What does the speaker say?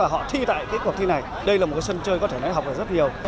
họ thi tại cuộc thi này đây là một sân chơi có thể nói học được rất nhiều